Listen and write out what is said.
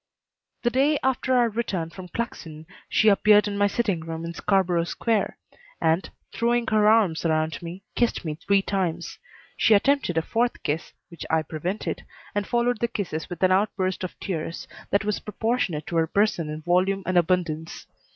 The day after our return from Claxon she appeared in my sitting room in Scarborough Square and, throwing her arms around me, kissed me three times. She attempted a fourth kiss, which I prevented, and followed the kisses with an outburst of tears that was proportionate to her person in volume and abundance.